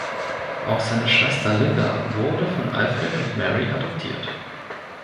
Auch seine Schwester Linda wurde von Alfred und Mary adoptiert.